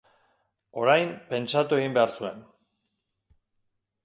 Orain pentsatu egin behar zuen.